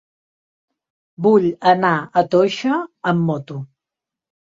Vull anar a Toixa amb moto.